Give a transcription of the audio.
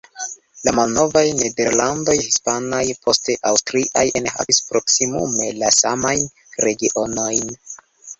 La malnovaj Nederlandoj hispanaj, poste aŭstriaj enhavis proksimume la samajn regionojn.